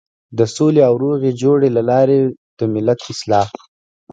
د سولې او روغې جوړې له لارې د ملت اصلاح.